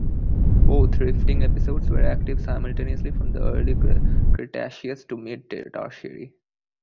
Both rifting episodes were active simultaneously from the Early Cretaceous to mid Tertiary.